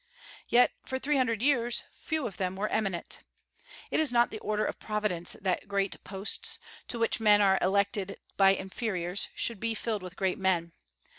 Yet for three hundred years few of them were eminent. It is not the order of Providence that great posts, to which men are elected by inferiors, should be filled with great men.